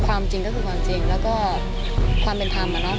ความจริงก็คือความจริงแลก็ความเป็นทำอ่ะนะ